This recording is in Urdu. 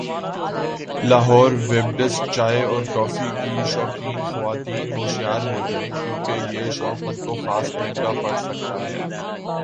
لاہور ویب ڈیسک چائے اور کافی کی شوقین خواتین ہوشیار ہوجائیں کیونکہ یہ شوق ان کو خاص مہنگا پڑ سکتا ہے